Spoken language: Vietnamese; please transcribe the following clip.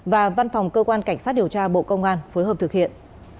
và văn phòng cơ quan cảnh sát điều tra bộ công an phối hợp thực hiện